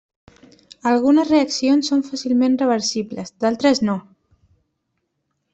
Algunes reaccions són fàcilment reversibles, d'altres no.